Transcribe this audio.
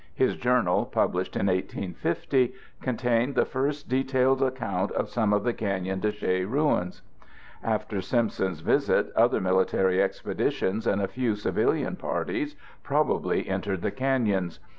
His journal, published in 1850, contained the first detailed account of some of the Canyon de Chelly ruins. After Simpson's visit, other military expeditions and a few civilian parties probably entered the canyons.